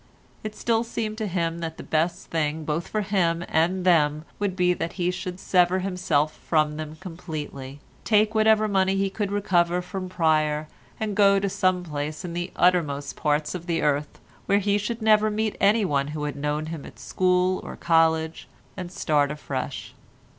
It still seemed to him that the best thing both for him and them would be that he should sever himself from them completely, take whatever money he could recover from Pryer, and go to some place in the uttermost parts of the earth, where he should never meet anyone who had known him at school or college, and start afresh.